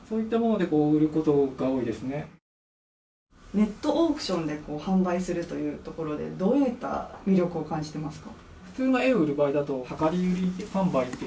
ネットオークションで販売するというところでどういった魅力を感じていらっしゃいますか？